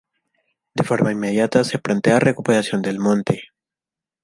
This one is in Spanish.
De forma inmediata se plantea la recuperación del monte.